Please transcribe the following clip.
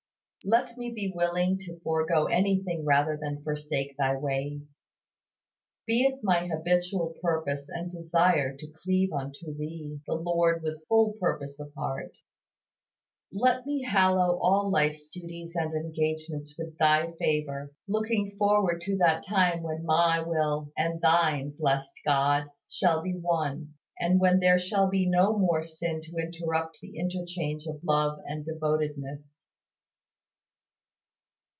Let me be willing to forego anything rather than forsake Thy ways. Be it my habitual purpose and desire to cleave unto Thee the Lord with full purpose of heart. Let me hallow all life's duties and engagements with Thy favor, looking forward to that time when my will and Thine, blessed God! shall be one, and when there shall be no more sin to interrupt the interchange of love and devotedness.